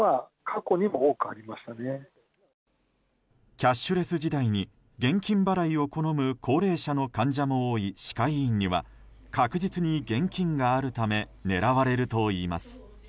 キャッシュレス時代に現金払いを好む高齢者の患者も多い歯科医院には確実に現金があるため狙われるといいます。